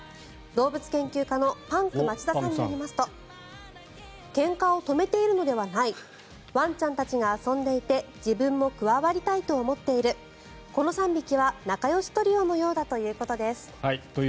動物研究家のパンク町田さんによりますとけんかを止めているのではないワンちゃんたちが遊んでいて自分も加わりたいと思っているこの３匹は仲よしトリオのようだということです。